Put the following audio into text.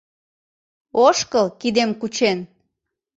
Ошкыл, кидем кучен